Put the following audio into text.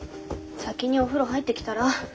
先にお風呂入ってきたら？